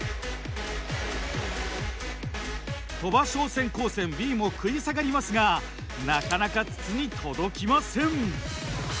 鳥羽商船高専Ｂも食い下がりますがなかなか筒に届きません。